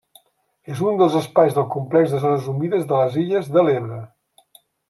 És un dels espais del complex de zones humides de les Illes de l’Ebre.